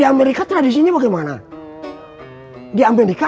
itu bagaimana tradisi paranormal yang terjadi di amerika